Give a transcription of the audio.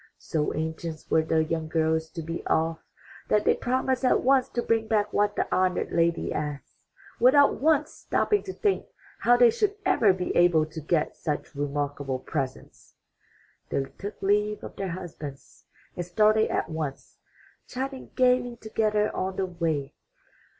So anxious were the young girls to be off, that they promised at once to bring back what the honored lady asked, without once stopping to think how they should ever be able to get such remarkable presents. They took leave of their husbands and started at once, chatting gaily together on the way.